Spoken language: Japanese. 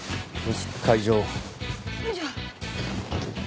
よいしょ。